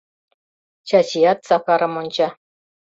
Чачият Сакарым онча.